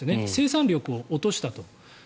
生産力を落としたと。